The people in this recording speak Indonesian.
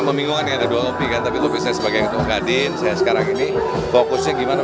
membingungkan ada dua lebih kan tapi lebih sebagai ketua gadin saya sekarang ini fokusnya gimana